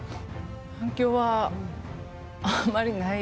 反響は、あんまりない。